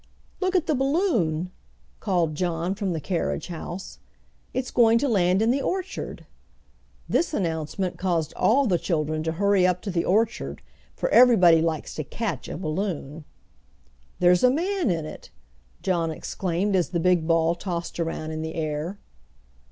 "Look at the balloon!" called John from the carriage house. "It's going to land in the orchard." This announcement caused all the children to hurry up to the orchard, for everybody likes to "catch" a balloon. "There's a man in it," John exclaimed as the big ball tossed around in the air.